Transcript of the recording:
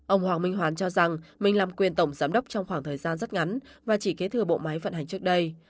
ông hoàng minh hoàn cho rằng mình làm quyền tổng giám đốc trong khoảng thời gian rất ngắn và chỉ kế thừa bộ máy vận hành trước đây